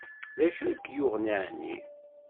D acu ay k-yuɣen ɛni?